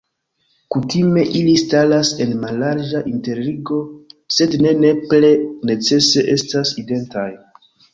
Kutime ili staras en mallarĝa interligo, sed ne nepre necese estas identaj.